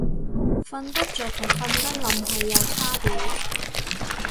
瞓得着同瞓得稔係有差別